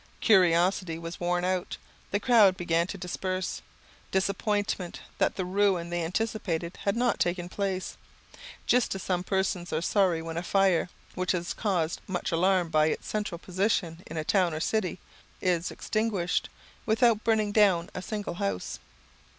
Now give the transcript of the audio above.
Curiosity was worn out. The crowd began to disperse, disappointed that the ruin they anticipated had not taken place; just as some persons are sorry when a fire, which has caused much alarm by its central position in a town or city, is extinguished, without burning down a single house.